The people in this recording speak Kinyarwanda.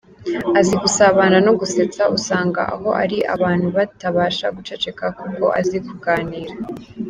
Azi gusabana no gusetsa usanga aho ari abantu batabasha guceceka kuko azi kuganira .